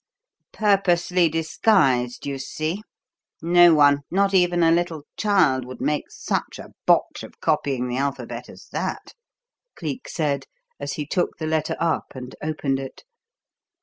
"Purposely disguised, you see. No one, not even a little child, would make such a botch of copying the alphabet as that," Cleek said, as he took the letter up and opened it.